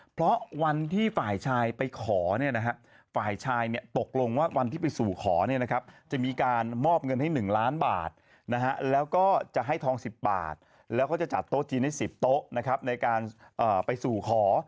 เพราะวันที่ฝ่ายชายไปขอเนี่ยนะฮะฝ่ายชายเนี่ยตกลงว่าวันที่ไปสู่ขอเนี่ยนะครับจะมีการมอบเงินให้๑ล้านบาทนะฮะแล้วก็จะให้ทอง๑๐บาทแล้วก็จะจัดโต๊ะจีนให้๑๐โต๊ะนะครับในการไปสู่ขอ